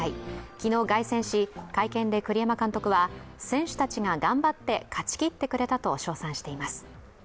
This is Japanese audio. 昨日凱旋し、会見で栗山監督は選手たちが頑張って勝ちきってくれたと称賛しています。